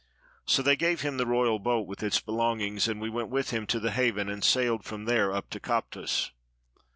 So they gave him the royal boat with its belongings, and we went with him to the haven, and sailed from there up to Koptos.